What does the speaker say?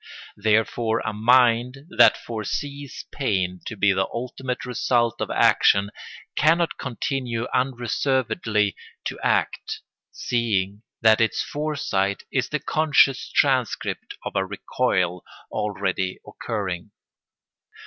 Therefore a mind that foresees pain to be the ultimate result of action cannot continue unreservedly to act, seeing that its foresight is the conscious transcript of a recoil already occurring.